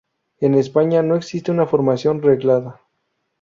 En España no existe una formación reglada.